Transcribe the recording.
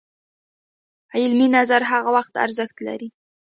علمي نظر هغه وخت ارزښت لري